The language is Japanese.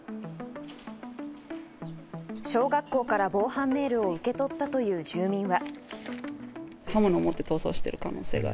小学校から防犯メールを受け取ったという住民は。